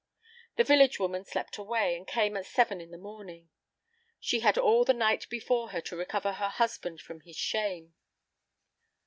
The village woman slept away, and came at seven in the morning. She had all the night before her to recover her husband from his shame.